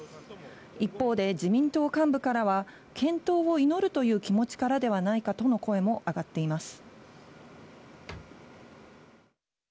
一方で、自民党幹部からは、健闘を祈るという気持ちからではないかとの声も上がっています。